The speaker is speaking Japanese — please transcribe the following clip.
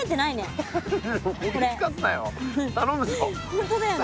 本当だよね。